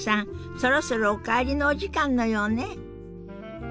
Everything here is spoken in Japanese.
そろそろお帰りのお時間のようね。